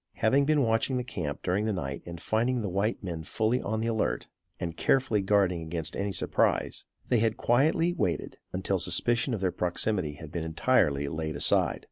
Having been watching the camp during the night and finding the white men fully on the alert and carefully guarding against any surprise, they had quietly waited until suspicion of their proximity had been entirely laid aside.